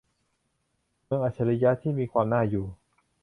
เมืองอัจฉริยะที่มีความน่าอยู่